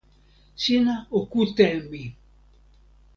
sina o kute e mi!